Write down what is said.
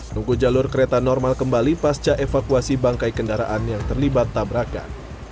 nunggu jalur kereta normal kembali pasca evakuasi bangkai kendaraan yang terlibat tabrakan